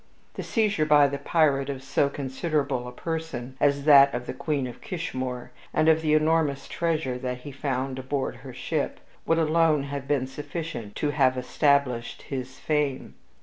The seizure by the pirate of so considerable a person as that of the Queen of Kishmoor, and of the enormous treasure that he found aboard her ship, would alone have been sufficient to have established his fame.